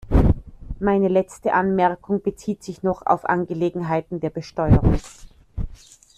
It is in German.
Meine letzte Anmerkung bezieht sich noch auf Angelegenheiten der Besteuerung.